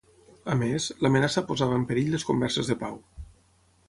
A més, l'amenaça posava en perill les converses de pau.